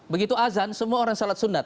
begitu azan semua orang salat sunnah